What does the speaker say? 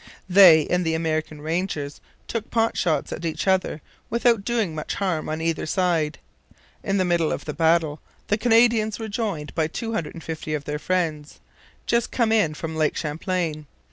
They and the American rangers took pot shots at each other without doing much harm on either side. In the middle of the battle the Canadians were joined by 250 of their friends, just come in from Lake Champlain.